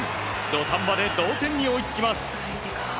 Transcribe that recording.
土壇場で同点に追いつきます。